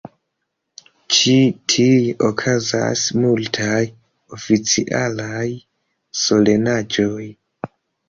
Ĉi tie okazas multaj oficialaj solenaĵoj.